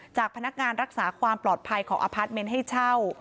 จากพนักงานรักษาความปลอดภัยของอพาร์ทเมนต์ให้เช่า